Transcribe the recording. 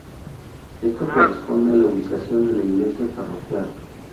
Esto corresponde a la ubicación de la iglesia parroquial.